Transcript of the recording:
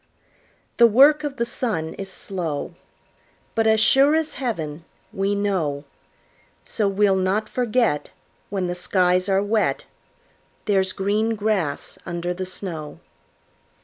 The work of the sun is slow, But as sure as heaven, we know; So we'll not forget, When the skies are wet, There's green grass under the snow.